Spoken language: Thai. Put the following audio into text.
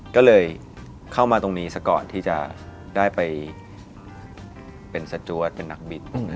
ก็เลยเข้ามาตรงนี้ซะก่อนที่จะได้ไปเป็นสจวดเป็นนักบิน